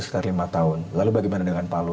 sekitar lima tahun lalu bagaimana dengan palu